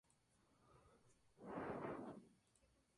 Mary tuvo un hermano gemelo, Peter, y un hermano mayor, Arthur.